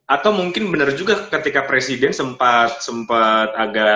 atau mungkin benar juga ketika presiden sempat